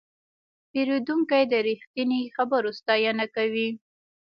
پیرودونکی د رښتیني خبرو ستاینه کوي.